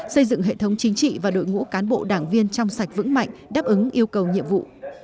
xây dựng hệ thống chính trị và đội ngũ cán bộ đảng viên trong sạch vững mạnh đáp ứng yêu cầu nhiệm vụ